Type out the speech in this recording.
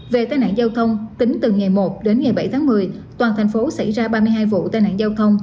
về tai nạn giao thông tính từ ngày một đến ngày bảy tháng một mươi toàn thành phố xảy ra ba mươi hai vụ tai nạn giao thông